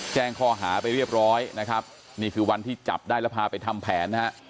แจ้งข้อหาไปเรียบร้อยนะครับนี่คือวันที่จับได้แล้วพาไปทำแผนนะฮะ